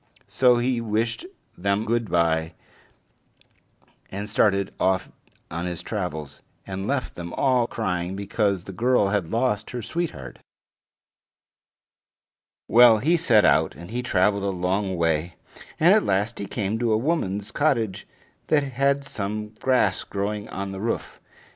So he wished them good by, and started off on his travels, and left them all crying because the girl had lost her sweetheart. Well, he set out, and he traveled a long way, and at last he came to a woman's cottage that had some grass growing on the roof.